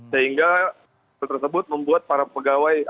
sehingga ketersebut membuat para pegawai